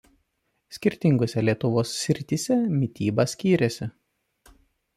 Skirtingose Lietuvos srityse mityba skyrėsi.